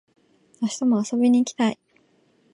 明日も遊びに行きたい